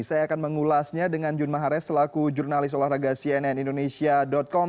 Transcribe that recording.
saya akan mengulasnya dengan jun mahare selaku jurnalis olahraga cnnindonesia com